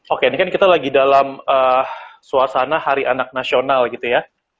oke ini kan kita lagi dalam suasana hari anak nasional gitu ya